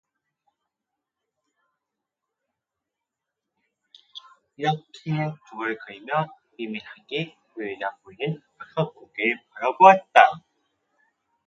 이렇게 중얼거리며 희미하게 올려다보이는 박석고개를 바라보았다.